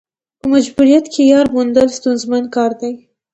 په مجبوریت کې یار موندل ستونزمن کار دی.